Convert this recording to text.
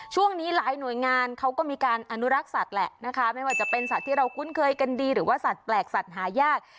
ช่วงนี้หลายหน่วยงานเขาก็มีการอนุรักษ์สัตว์แหละนะคะไม่ว่าจะเป็นสัตว์ที่เราคุ้นเคยกันดีหรือว่าสัตว์แปลกสัตว์หายาก